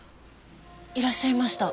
いらっしゃいました。